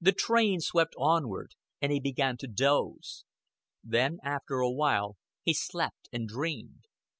The train swept onward, and he began to doze. Then after a while he slept and dreamed.